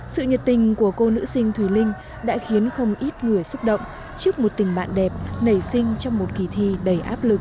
sự nhiệt tình của cô nữ sinh thùy linh đã khiến không ít người xúc động trước một tình bạn đẹp nảy sinh trong một kỳ thi đầy áp lực